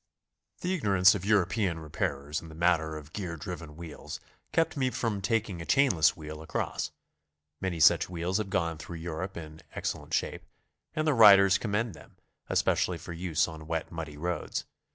The ignorance of European repairers in the matter of gear driven wheels kept me from taking a chainless wheel across. Many such wheels have gone through Europe in excellent shape, and their riders commend them, especially for use on wet, muddy roads.